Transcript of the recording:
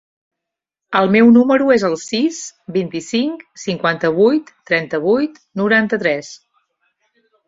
El meu número es el sis, vint-i-cinc, cinquanta-vuit, trenta-vuit, noranta-tres.